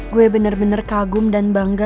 gue bener bener kagum dan bangga